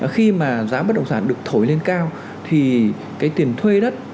khi mà giá bất động sản được thổi lên cao thì cái tiền thuê đất